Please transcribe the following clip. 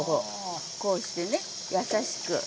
こうしてねやさしく。